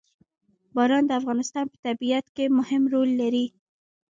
باران د افغانستان په طبیعت کې مهم رول لري.